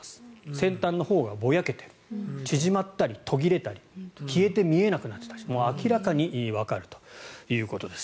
先端のほうがぼやけている縮まったり途切れたり消えて見えなくなったりもう明らかにわかるということです。